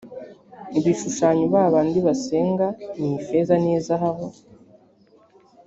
ibishushanyo ba bandi basenga ni ifeza n izahabu